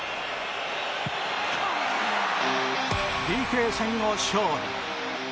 ＰＫ戦を勝利。